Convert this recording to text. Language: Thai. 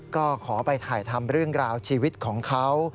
ก็ขอไปถ่ายทำเรื่องราวชีวิตของเขา